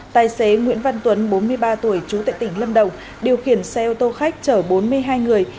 tài xế nguyễn văn tuấn bốn mươi ba tuổi trú tại tỉnh lâm đồng điều khiển xe ô tô khách chở bốn mươi hai người